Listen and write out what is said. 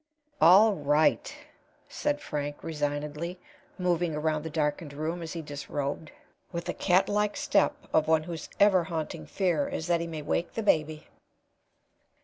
'" "All right," said Frank, resignedly, moving around the darkened room, as he disrobed, with the catlike step of one whose ever haunting fear is that he may wake the baby.